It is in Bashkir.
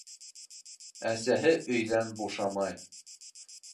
Әсәһе өйҙән бушамай.